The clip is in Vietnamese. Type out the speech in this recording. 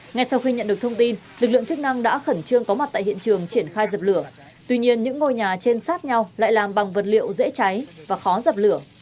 ngay sau khi nhận được thông tin lực lượng chức năng đã khẩn trương có mặt tại hiện trường triển khai dập lửa tuy nhiên những ngôi nhà trên sát nhau lại làm bằng vật liệu dễ cháy và khó dập lửa